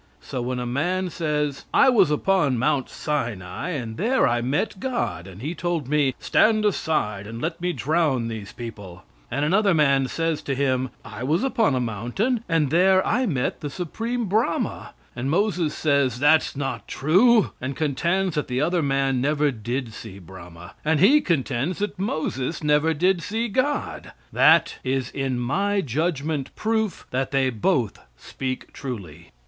So, when man says, "I was upon Mount Sinai, and there I met God, and he told me, 'Stand aside and let me drown these people';" and another man says to him, "I was upon a mountain, and there I met the Supreme Brahma," and Moses says, "That's not true," and contends that the other man never did see Brahma, and he contends that Moses never did see God, that is in my judgment proof that they both speak truly.